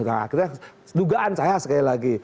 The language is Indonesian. nah akhirnya dugaan saya sekali lagi